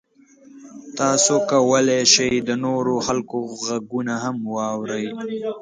تاسو کولی شئ د نورو خلکو غږونه هم واورئ.